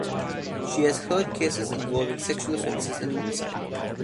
She has heard cases involving sexual offences and homicide.